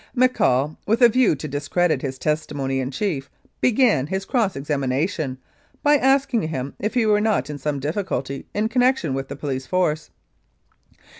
McCaul, with a view to discredit his testimony in chief, began his cross examination by asking if he were not in some difficulty in connection with the Police Force.